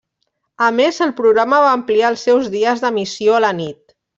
A més el programa va ampliar els seus dies d'emissió a la nit.